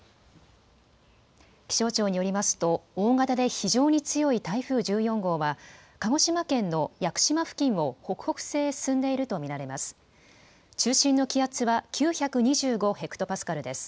気象庁によりますと、大型で非常に強い台風１４号は、鹿児島県の屋久島付近を北北西へ進んでいると見られます。